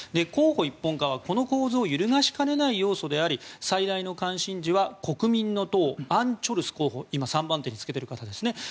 候補一本化はこの構図を揺るがしかねない要素であり最大の関心事は国民の党、アン・チョルス候補今３番手につけている方ですね